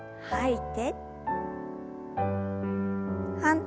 はい。